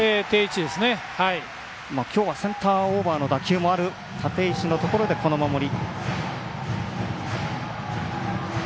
きょうはセンターオーバーの打球もある立石のところでこの守り。